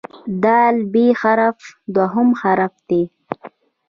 د "ب" حرف دوهم حرف دی.